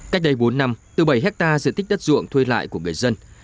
cách đây bốn năm từ bảy hectare diện tích đất ruộng thuê lại của người dân